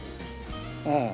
うん。